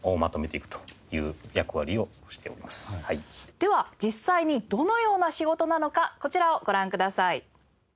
では実際にどのような仕事なのかこちらをご覧ください。